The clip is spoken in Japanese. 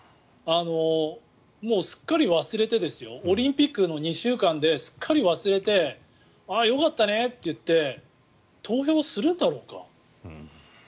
もう、すっかり忘れてですよオリンピックの２週間ですっかり忘れてああ、よかったねって言って投票するだろうか。